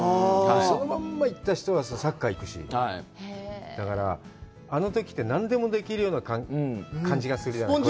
そのまんま行った人はサッカーに行くし、だから、あのときって何でもできるような感じがするじゃないですか。